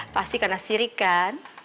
pasti karena siri kan